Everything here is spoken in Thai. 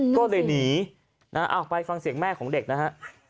ก็เลยหนีไปฟังเสียงแม่ของเด็กนะฮะ